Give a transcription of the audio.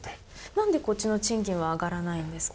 なんでこっちの賃金は上がらないんですか？